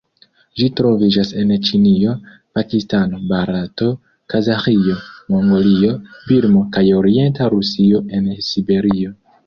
Ĝi troviĝas en Ĉinio, Pakistano, Barato, Kazaĥio, Mongolio, Birmo kaj orienta Rusio en Siberio.